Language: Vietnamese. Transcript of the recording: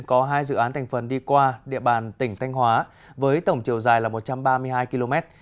có hai dự án thành phần đi qua địa bàn tỉnh thanh hóa với tổng chiều dài là một trăm ba mươi hai km